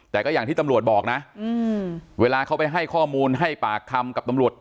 แต่ก็อย่างที่ตำรวจบอกนะเวลาเขาไปให้ข้อมูลให้ปากคำกับตำรวจ